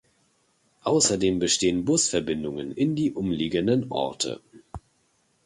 Außerdem bestehen Busverbindungen in die umliegenden Orte.